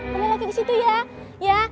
boleh lagi ke situ ya